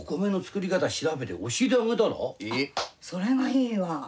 それがいいわ！